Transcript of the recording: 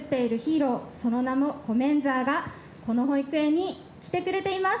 その名もコメンジャーがこの保育園に来てくれています。